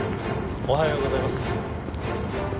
おはようございます。